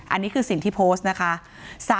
อันนี้คือสิ่งที่โพสต์นะคะ